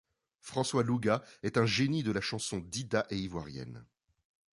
François Lougah, est un génie de la chanson Dida et ivoirienne.